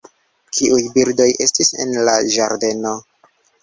Kiuj birdoj estis en la ĝardeno?